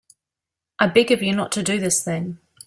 I beg of you not to do this thing.